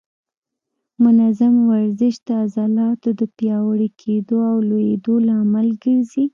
منظم ورزش د عضلاتو د پیاوړي کېدو او لویېدو لامل ګرځي.